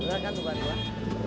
sudah kan tuhan